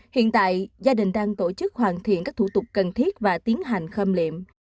hiện tại gia đình đang tổ chức hoàn thiện các thủ tục cần thiết và tiến hành khâm liệm